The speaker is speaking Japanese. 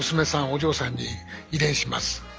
お嬢さんに遺伝します。